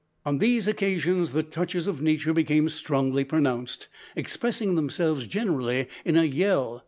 On these occasions the touches of nature became strongly pronounced expressing themselves generally in a yell.